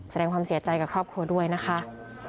แสดงความเสียใจกับครอบครัวด้วยนะคะ